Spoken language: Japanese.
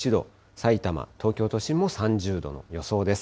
さいたま、東京都心も３０度の予想です。